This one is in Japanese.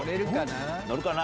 乗れるかな？